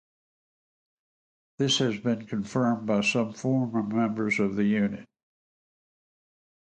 This has been confirmed by some former members of the unit.